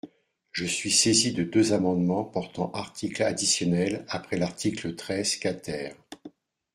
Je suis saisie de deux amendements portant article additionnel après l’article treize quater.